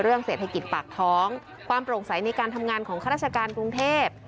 เศรษฐกิจปากท้องความโปร่งใสในการทำงานของข้าราชการกรุงเทพ